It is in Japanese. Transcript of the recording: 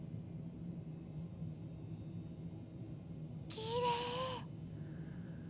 きれい。